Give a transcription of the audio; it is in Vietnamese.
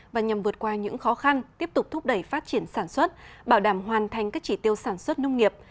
và nhằm vượt qua những khó khăn tiếp tục thúc đẩy phát triển sản xuất bảo đảm hoàn thành các chỉ tiêu sản xuất nông nghiệp